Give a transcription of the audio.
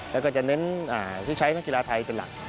แล้วก็จะเน้นที่ใช้นักกีฬาไทยเป็นหลัก